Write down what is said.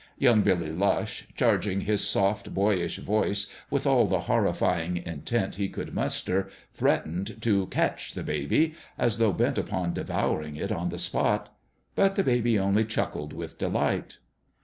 Young Billy Lush, charging his soft, boyish voice with all the horrifying intent he could muster, threatened to " catch " the baby, as though bent upon devouring it on the spot ; but the baby only chuckled with delight.